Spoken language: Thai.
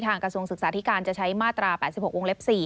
กระทรวงศึกษาธิการจะใช้มาตรา๘๖วงเล็บ๔